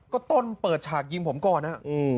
ก็ต้นเปิดฉากยิงผมก่อนนะ